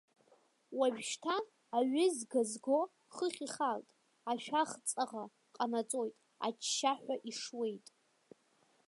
Уажәшьҭа аҩыз газго хыхь ихалт, ашәах ҵаӷа ҟанаҵоит, аччаҳәа ишуеит.